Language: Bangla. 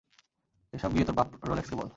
এসব গিয়ে তোর বাপ রোলেক্সকে বল!